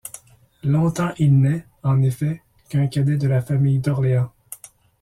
Longtemps il n’est, en effet, qu’un cadet de la famille d’Orléans.